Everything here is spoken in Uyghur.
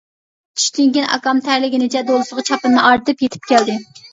چۈشتىن كېيىن ئاكام تەرلىگىنىچە دولىسىغا چاپىنىنى ئارتىپ يېتىپ كەلدى.